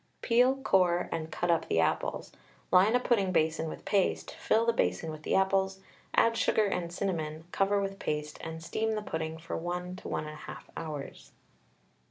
Peel, core, and out up the apples. Line a pudding basin with paste, fill the basin with the apples, add sugar and cinnamon, cover with paste, and steam the pudding for 1 to 11/2 hours.